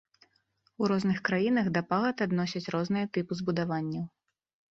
У розных краінах да пагад адносяць розныя тыпы збудаванняў.